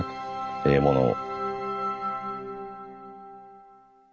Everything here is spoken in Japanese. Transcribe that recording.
ええものを。